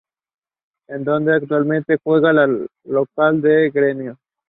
Es donde actualmente juega de local el Grêmio.